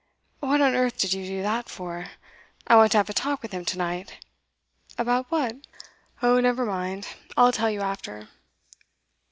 'What on earth did you do that for? I want to have a talk with him to night.' 'About what?' 'Oh, never mind; I'll tell you after.